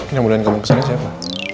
ini ambulan kamu kesana siapa